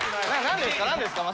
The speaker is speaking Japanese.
何ですか？